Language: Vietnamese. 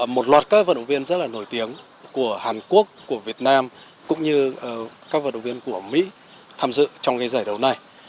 một loạt các vận động viên rất là nổi tiếng của hàn quốc của việt nam cũng như các vận động viên của mỹ tham dự trong giải đấu này